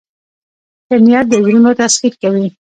ښه نیت د زړونو تسخیر کوي.